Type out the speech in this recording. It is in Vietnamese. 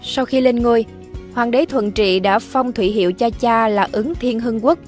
sau khi lên ngôi hoàng đế thuận trị đã phong thủy hiệu cha cha là ứng thiên hương quốc